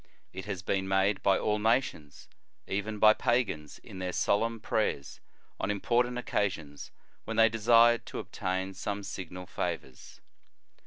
It has been made by all nation , even by pagans, in their solemn prayers on important occasions, when they desired to obtain some signal favors.